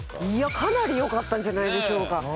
いやかなり良かったんじゃないでしょうか。